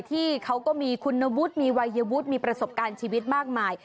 ที่เขาก็มีคุณวุฒิมีวัยวุฒิมีประสบการณ์ชีวิตมากมาย